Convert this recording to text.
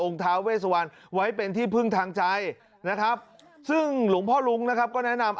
ท้าเวสวันไว้เป็นที่พึ่งทางใจนะครับซึ่งหลวงพ่อลุงนะครับก็แนะนำ